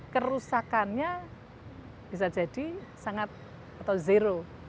kerusakannya bisa jadi sangat atau zero